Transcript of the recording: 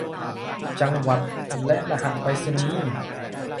จังหวัดและรหัสไปรษณีย์